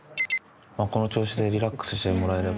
この調子でリラックスしてもらえれば。